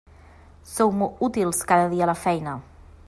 Sou molt útils cada dia a la feina!